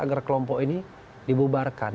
agar kelompok ini dibubarkan